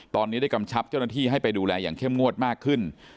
ตอนนี้ได้กำชับเจ้าหน้าที่ให้ไปดูแลอย่างเข้มงวดมากขึ้น